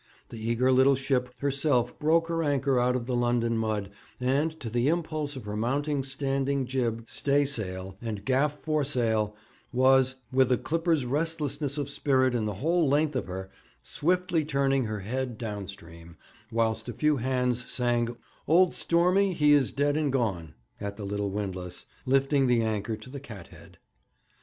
The eager little ship herself broke her anchor out of the London mud, and to the impulse of her mounting standing jib, staysail, and gaff foresail, was, with a clipper's restlessness of spirit in the whole length of her, swiftly turning her head down stream, whilst a few hands sang 'Old Stormy, he is dead and gone' at the little windlass, lifting the anchor to the cathead.